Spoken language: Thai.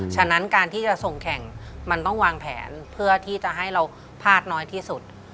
ฉะนั้นการที่จะส่งแข่งมันต้องวางแผนเพื่อที่จะให้เราพลาดน้อยที่สุด